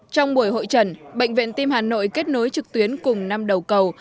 trong buổi hội trần bệnh viện tim hà nội kết nối trực tuyến cùng năm đầu cầu